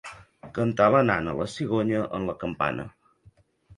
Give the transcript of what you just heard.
Cantar la nana a la cigonya en la campana.